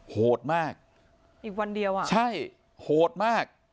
โหดมากอีกวันเดียวอ่ะใช่โหดมาก